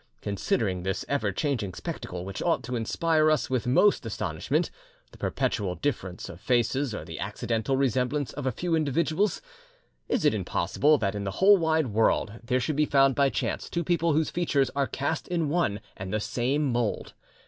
Considering this ever changing spectacle, which ought to inspire us with most astonishment—the perpetual difference of faces or the accidental resemblance of a few individuals? Is it impossible that in the whole wide world there should be found by chance two people whose features are cast in one and the same mould?